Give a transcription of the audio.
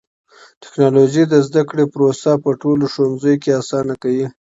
ټکنالوژي د زده کړې پروسه په ټولو ښوونځيو کې آسانه کوي.